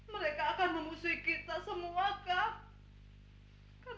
mereka akan memusuhi kita semua kak